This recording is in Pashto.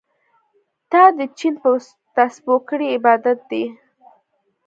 تا د چين په تسبو کړی عبادت دی